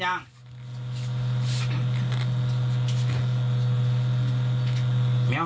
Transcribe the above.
คราวนี้ร้อนแล้ว